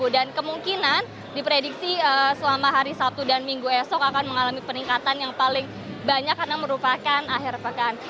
dan kemungkinan diprediksi selama hari sabtu dan minggu esok akan mengalami peningkatan yang paling banyak karena merupakan akhir pekan